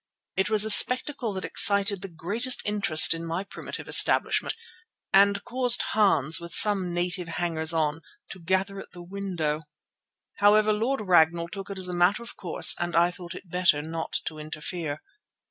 It was a spectacle that excited the greatest interest in my primitive establishment and caused Hans with some native hangers on to gather at the window. However, Lord Ragnall took it as a matter of course and I thought it better not to interfere.